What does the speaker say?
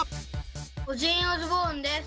オジンオズボーンです。